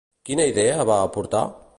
Quina idea va aportar?